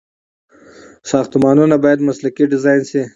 ساختمانونه باید مسلکي ډيزاين شي.